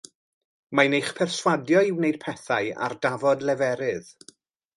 Mae'n eich perswadio i wneud pethau ar dafod leferydd.